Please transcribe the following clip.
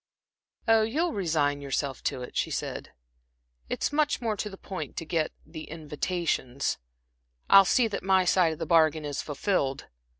"Oh, you'll resign yourself to it," she said. "It's much more to the point to get the invitations. I'll see that my side of the bargain is fulfilled."